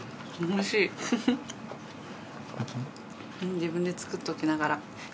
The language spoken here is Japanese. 自分で作っときながら。